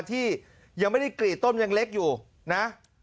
ที่ยังไม่ได้กรีดต้นยังเล็กอยู่นะ